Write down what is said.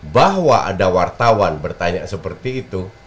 bahwa ada wartawan bertanya seperti itu